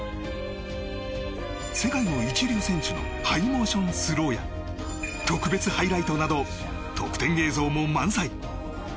世界の一流選手のハイモーションスローや特別ハイライトなど特典映像も満載。